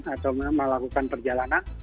atau melakukan perjalanan